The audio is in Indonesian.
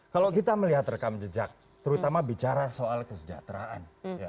kalau kita melihat rekam jejak terutama bicara soal kesejahteraan